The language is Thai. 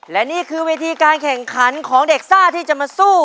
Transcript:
และนี่คือเวทีการแข่งขันของเด็กซ่าที่จะมาสู้